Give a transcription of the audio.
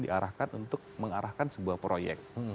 diarahkan untuk mengarahkan sebuah proyek